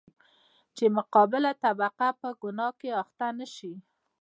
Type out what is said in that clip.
چـې مـقابله طبـقه پـه ګنـاه کـې اخـتـه نـشي.